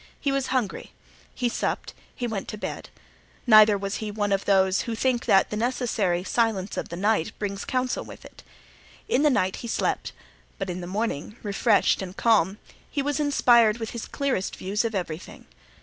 He was hungry; he supped, he went to bed. Neither was he one of those who think that the necessary silence of the night brings counsel with it. In the night he slept, but in the morning, refreshed and calm, he was inspired with his clearest views of everything.